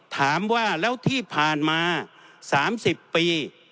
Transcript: ถามว่าแล้วที่ผ่านมา๓๐ปี